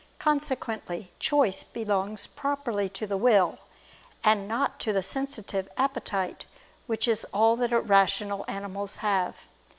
Consequently choice belongs properly to the will, and not to the sensitive appetite which is all that irrational animals have.